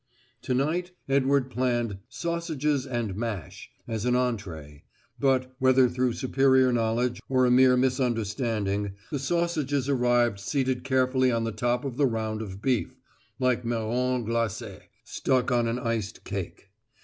To night Edwards planned "sausages and mash" as an entrée; but, whether through superior knowledge or a mere misunderstanding, the sausages arrived seated carefully on the top of the round of beef, like marrons glacés stuck on an iced cake.